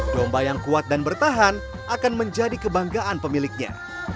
domba yang kuat dan bertahan akan menjadi kebanggaan pemiliknya